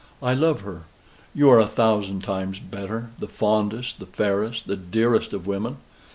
I love her. You are a thousand times better: the fondest, the fairest, the dearest of women.